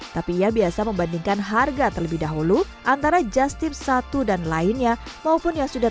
tapi ia biasa membandingkan harga terlebih dahulu antara justip satu dan lainnya maupun yang sudah